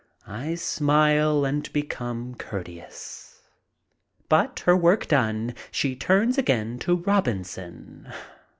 I smile and become courteous. But, her duty done, she turns again to Robinson.